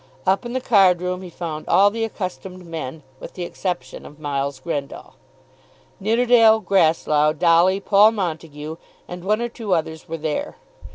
Up in the card room he found all the accustomed men, with the exception of Miles Grendall. Nidderdale, Grasslough, Dolly, Paul Montague, and one or two others were there.